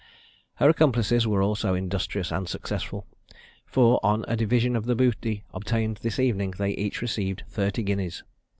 Her accomplices also were industrious and successful; for, on a division of the booty obtained this evening, they each received thirty guineas.